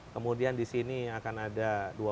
kemudian di sini akan ada dua puluh dua puluh lima